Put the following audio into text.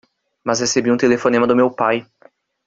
Mas recebi um telefonema do meu pai.